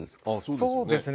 そうですね。